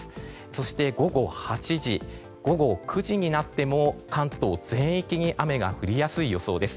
そして、午後８時午後９時になっても関東全域に雨が降りやすい予想です。